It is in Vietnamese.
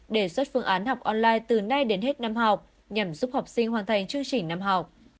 đề xuất phương án học online từ nay đến hết năm học nhằm giúp học sinh hoàn thành chương trình năm học